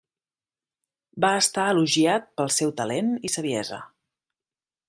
Va estar elogiat pel seu talent i saviesa.